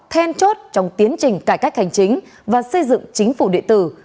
then chốt trong tiến trình cải cách hành chính và xây dựng chính phủ địa tử